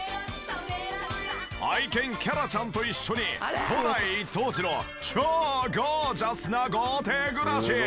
愛犬伽羅ちゃんと一緒に都内一等地の超ゴージャスな豪邸暮らし！